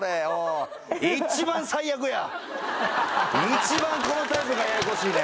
一番このタイプがややこしいねん。